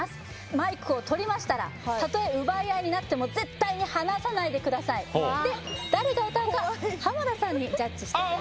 マイクをとりましたらたとえ奪いあいになっても絶対に離さないでください誰が歌うか浜田さんにジャッジしていただきます